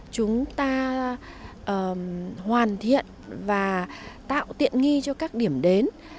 chúng ta hoàn thiện và tạo tiện nghi cho các điểm đến